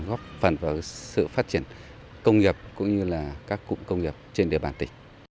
góp phần vào sự phát triển công nghiệp cũng như là các cụm công nghiệp trên địa bàn tỉnh